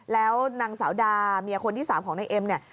แล้วนางสาวดาเมียคนที่๓ของนายเอ็มเนี่ย